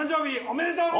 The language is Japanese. おめでとう！